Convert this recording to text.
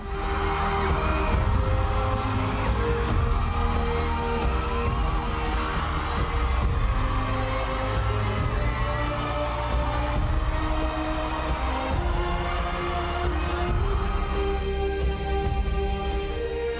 โปรดติดตามตอนต่อไป